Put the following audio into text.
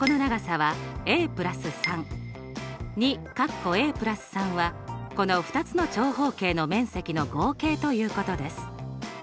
２はこの２つの長方形の面積の合計ということです。